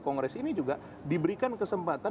kongres ini juga diberikan kesempatan